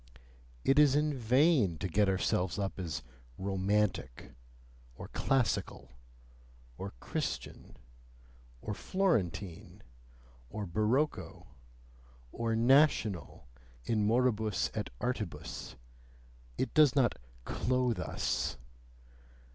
It is in vain to get ourselves up as romantic, or classical, or Christian, or Florentine, or barocco, or "national," in moribus et artibus: it does not "clothe us"!